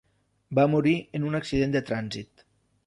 Va morir en un accident de trànsit.